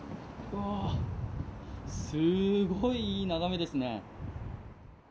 すごいいい眺めですね。